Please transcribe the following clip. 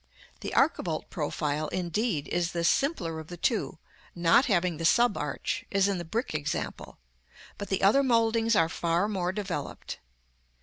The archivolt profile, indeed, is the simpler of the two, not having the sub arch; as in the brick example; but the other mouldings are far more developed.